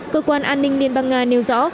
cơ quan an ninh liên bang nga nêu rõ